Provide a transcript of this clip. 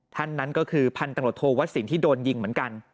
ท่านนั้นก็คือพันตำรวจโทวัสินที่โดนยิงเหมือนกัน